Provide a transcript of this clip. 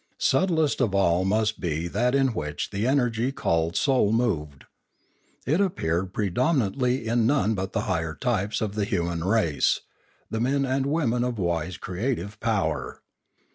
Subtlest of all must be that in which the energy called soul moved. It appeared predominantly in none but the higher types of the human race, the men and women of wise creative power.